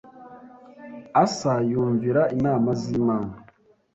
Asa yumvira inama z Imana